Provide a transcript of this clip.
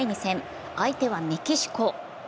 相手はメキシコ。